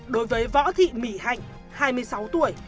đối với võ thị mỹ hạnh hai mươi sáu tuổi